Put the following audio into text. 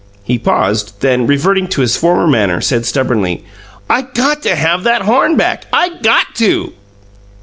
He paused; then, reverting to his former manner, said stubbornly, "I got to have that horn back. I GOT to!"